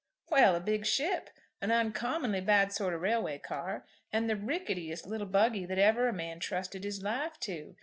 "Well, a big ship, an uncommonly bad sort of railway car, and the ricketiest little buggy that ever a man trusted his life to.